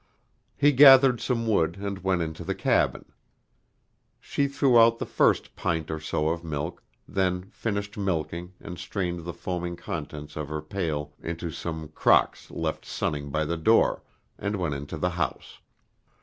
He gathered some wood and went into the cabin. She threw out the first pint or so of milk, then finished milking and strained the foaming contents of her pail into some crocks left sunning by the door, and went into the house.